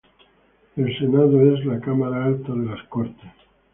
El Senado era la cámara alta de las Cortes.